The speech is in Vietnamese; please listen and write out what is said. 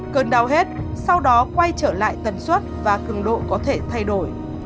cơn đau hết sau đó quay trở lại tần suất và cường độ có thể thay đổi